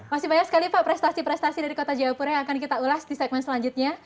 masih banyak sekali pak prestasi prestasi dari kota jayapura yang akan kita ulas di segmen selanjutnya